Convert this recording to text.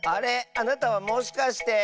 あなたはもしかして。